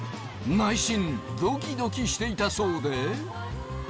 内心ドキドキしていたそうで。